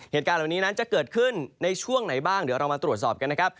เหตุการณ์เหล่านี้นั้นจะเกิดขึ้นในช่วงไหนบ้างเดี๋ยวเรามาตรวจสอบกันนะครับ